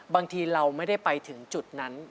บางทีเราไม่ได้ไปถึงจุดนั้น